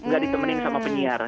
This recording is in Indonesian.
gak ditemenin sama penyiar